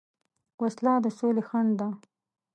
وسله د سولې خنډ ده